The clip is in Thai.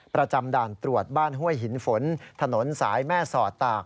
ประจำด่านตรวจบ้านห้วยหินฝนถนนสายแม่สอดตาก